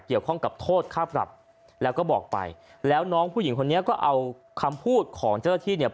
เกี่ยวข้องกับโทษค่าปรับแล้วก็บอกไปแล้วน้องผู้หญิงคนนี้ก็เอาคำพูดของเจ้าหน้าที่เนี่ย